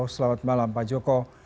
selamat malam pak joko